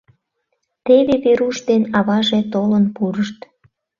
Теве Веруш ден аваже толын пурышт.